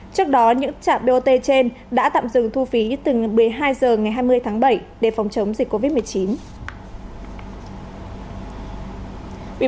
trước đó những trạm bot trên đã tạm dừng thu phí từ một mươi hai h ngày hai mươi tháng bảy để phòng chống dịch covid một mươi chín